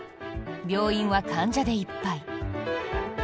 病院は患者でいっぱい。